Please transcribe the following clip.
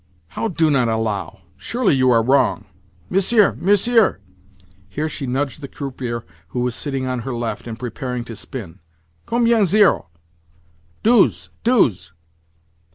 "How 'do not allow'? Surely you are wrong? Monsieur, monsieur—" here she nudged the croupier who was sitting on her left, and preparing to spin—"combien zero? Douze? Douze?"